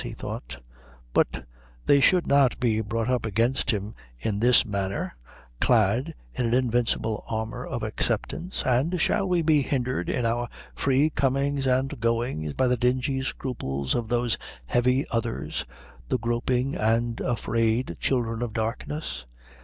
he thought; but they should not be brought up against him in this manner, clad in an invincible armour of acceptance "And shall we be hindered in our free comings and goings by the dingy scruples of those heavy others, the groping and afraid children of darkness?"